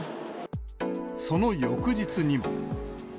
その翌日にも。